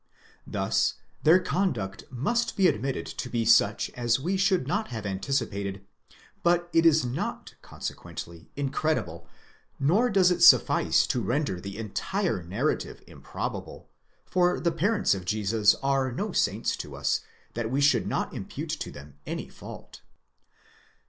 Thus their conduct must be admitted to be such as we should not have anticipated ; but it is not consequently incredible nor does it suffice to render the entire narrative improbable, for the parents of Jesus are no saints to us, that we should not impute to them any fault.